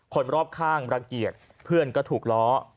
คนรอบข้างรังเกียจเพื่อนก็ถูกล้อ